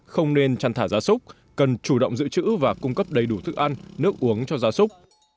không nên chăn thả ra súc cần chủ động giữ chữ và cung cấp đầy đủ thức ăn nước uống cho gia súc